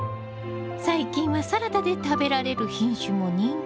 最近はサラダで食べられる品種も人気で。